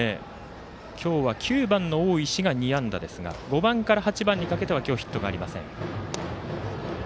今日は９番の大石が２安打ですが５番から８番にかけては今日、ヒットがありません。